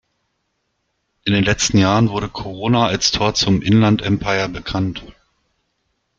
In den letzten Jahren wurde Corona als Tor zum Inland Empire bekannt.